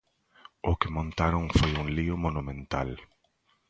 O que montaron foi un lío monumental.